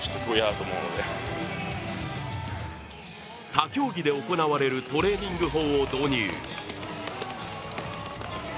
他競技で行われるトレーニング法を導入。